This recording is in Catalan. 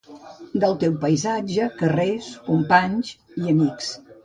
Del teu paisatge, carrers, companys i amics.